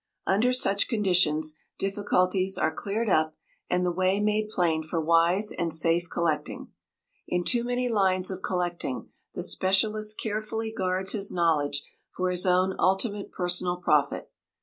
Under such conditions difficulties are cleared up, and the way made plain for wise and safe collecting. In too many lines of collecting the specialist carefully guards his knowledge for his own ultimate personal profit.